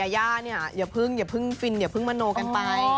อย่าเพิ่งฟินอย่าเพิ่งมะโนกันไป